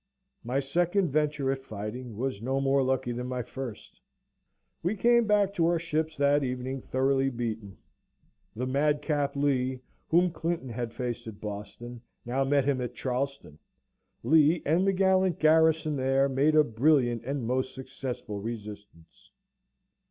My second venture at fighting was no more lucky than my first. We came back to our ships that evening thoroughly beaten. The madcap Lee, whom Clinton had faced at Boston, now met him at Charleston. Lee, and the gallant garrison there, made a brilliant and most successful resistance.